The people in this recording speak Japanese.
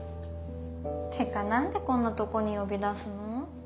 てか何でこんなとこに呼び出すの？